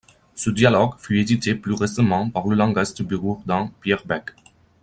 Ce dialogue fut édité plus récemment par le linguiste bigourdan Pierre Bec.